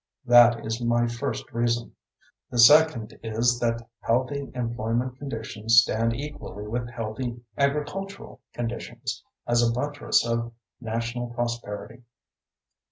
That is my first reason. The second is that healthy employment conditions stand equally with healthy agricultural conditions as a buttress of national prosperity.